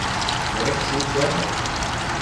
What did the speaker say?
میرا قصور کیا ہے؟